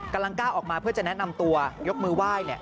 กำลังก้าวออกมาเพื่อจะแนะนำตัวยกมือไหว้